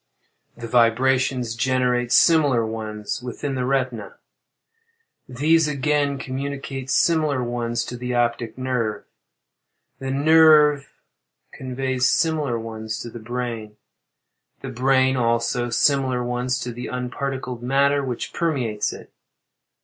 The vibrations generate similar ones within the retina; these again communicate similar ones to the optic nerve. The nerve conveys similar ones to the brain; the brain, also, similar ones to the unparticled matter which permeates it.